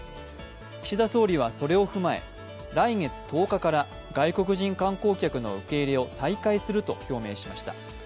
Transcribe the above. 岸田総理は、それを踏まえ来月１０日から外国人観光客の受け入れを再開すると表明しました。